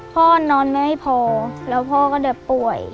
พ่อนอนไม่พอแล้วพ่อก็เดินป่วย